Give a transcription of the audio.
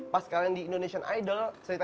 pas kalian di indonesian idol cerita